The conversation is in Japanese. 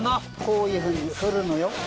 こういうふうに振るのよ。